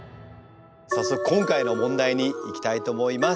早速今回の問題にいきたいと思います。